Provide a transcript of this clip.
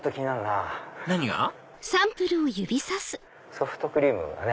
ソフトクリームがね。